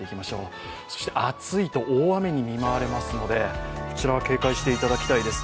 暑いと大雨に見舞われますのでこちらは警戒していただきたいです。